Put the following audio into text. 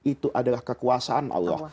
itu adalah kekuasaan allah